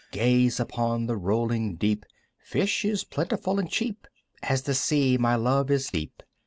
"Gaze upon the rolling deep ("Fish is plentiful and cheap) "As the sea, my love is deep!"